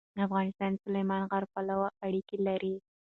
افغانستان د سلیمان غر پلوه اړیکې لري.